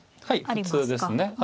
はい普通ですね。